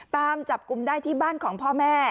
ตามจับกลุ่มได้ที่บ้านของพ่อแม่